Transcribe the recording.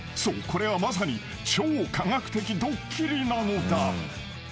これはまさに超科学的ドッキリなのだ］